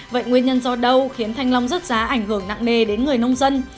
vậy nguyên nhân do đâu khiến thanh long rớt giá ảnh hưởng nặng nề đến người nông dân